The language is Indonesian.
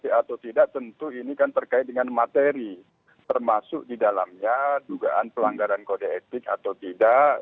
atau tidak tentu ini kan terkait dengan materi termasuk di dalamnya dugaan pelanggaran kode etik atau tidak